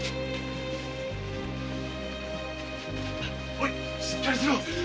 おいしっかりしろ！